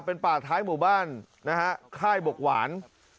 เป็นป่าท้ายหมู่บ้านนะฮะค่ายบกหวาน